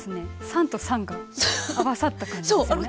酸と酸が合わさった感じですよね。